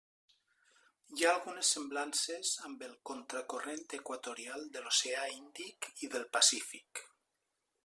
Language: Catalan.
Hi ha algunes semblances amb el Contra Corrent Equatorial de l'Oceà Índic i del Pacífic.